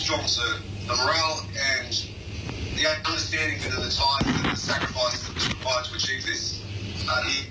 มันควรได้เชิญกับของทุกคนและความทรงความความทรงความ